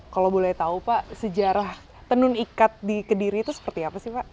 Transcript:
kalau boleh tahu pak sejarah tenun ikat di kediri itu seperti apa sih pak